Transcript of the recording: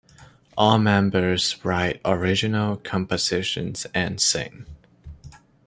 All members write original compositions and sing.